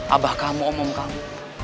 abah kamu om om kamu